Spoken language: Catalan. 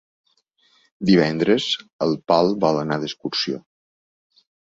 Divendres en Pol vol anar d'excursió.